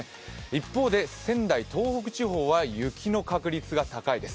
一方で仙台、東北地方は雪の確率が高いです。